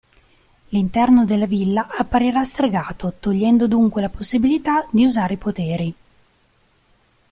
L'interno della villa apparirà stregato, togliendo dunque la possibilità di usare i poteri.